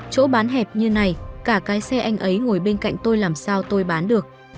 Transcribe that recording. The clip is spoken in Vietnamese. chỗ bán hẹp như này cả cái xe anh ấy ngồi bên cạnh tôi làm sao tôi bán được